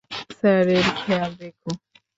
স্যারের খেয়াল রেখো।